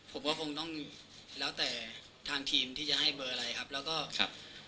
ผมก็คงต้องแล้วแต่ทางทีมที่จะให้เบอร์อะไรครับแล้วก็ครับ